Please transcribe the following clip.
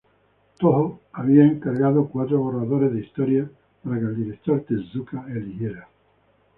Toho había encargado cuatro borradores de historia para que el director Tezuka eligiera.